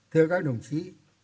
thưa các đồng chí